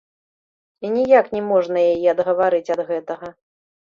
І ніяк не можна яе адгаварыць ад гэтага.